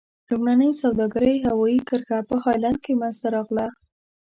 لومړنۍ سوداګرۍ هوایي کرښه په هالند کې منځته راغله.